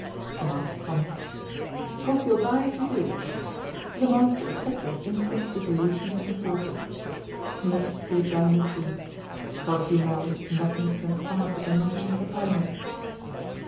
The master promised. "Hope you'll die if you do!" The master accepted instant dissolution as a forfeit. Mliss slid down the tree. For a few moments nothing transpired but the munching of the pine nuts.